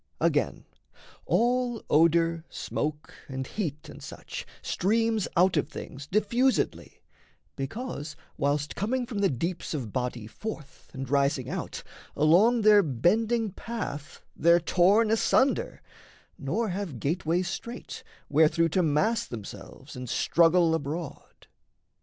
Again, all odour, smoke, and heat, and such Streams out of things diffusedly, because, Whilst coming from the deeps of body forth And rising out, along their bending path They're torn asunder, nor have gateways straight Wherethrough to mass themselves and struggle abroad.